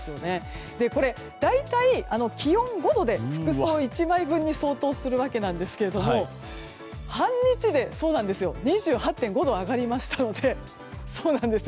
大体、気温５度で服装１枚分に相当するわけなんですけれども半日で２８．５度上がりましたので。